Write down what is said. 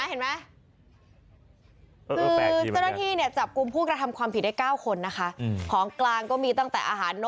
อาชีพไล่นกก่อนให้อ่าน